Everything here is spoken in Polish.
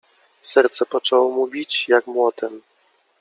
Serce poczęło mu bić jak młotem.